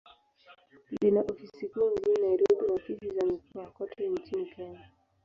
Lina ofisi kuu mjini Nairobi, na ofisi za mikoa kote nchini Kenya.